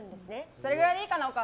それぐらいでいいですか。